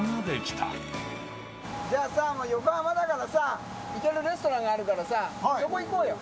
あさ、横浜だからさ、行けるレストランがあるからさ、そこ行こうよ。